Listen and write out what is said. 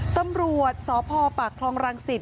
ตำรวจสอบภอปากทรองรังสิทธิ์